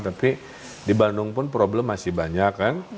tapi di bandung pun problem masih banyak kan